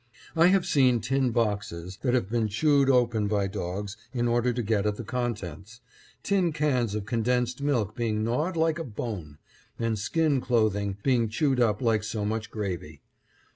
I have seen tin boxes that had been chewed open by dogs in order to get at the contents, tin cans of condensed milk being gnawed like a bone, and skin clothing being chewed up like so much gravy.